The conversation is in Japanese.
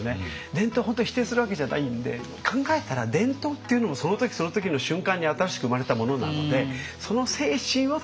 伝統本当に否定するわけじゃないんで考えたら伝統っていうのもその時その時の瞬間に新しく生まれたものなのでその精神は大切に。